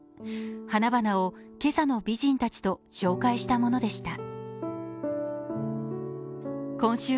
花々を「今朝の美人達」と紹介したものでした。